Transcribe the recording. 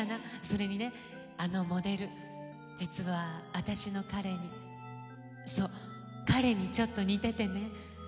「それにねあのモデル実はあたしの彼にそう彼にちょっと似ててね」。